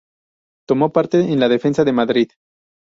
Tomó parte en la defensa de Madrid.